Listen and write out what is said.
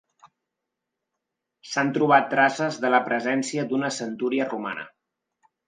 S'han trobat traces de la presència d'una centúria romana.